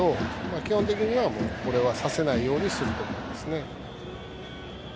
基本的にはさせないようにすると思いますね。